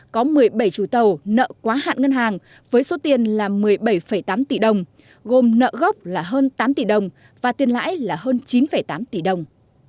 có một mươi bảy chủ tàu nợ quá hạn ngân hàng với số tiền là một mươi bảy tám tỷ đồng gồm nợ gốc là hơn tám tỷ đồng và tiền lãi là hơn chín tám tỷ đồng